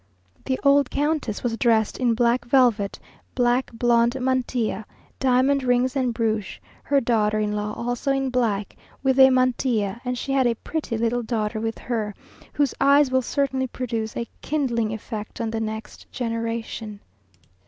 The old Countess was dressed in black velvet, black blonde mantilla, diamond earrings and brooch her daughter in law also in black, with a mantilla, and she had a pretty little daughter with her, whose eyes will certainly produce a kindling effect on the next generation.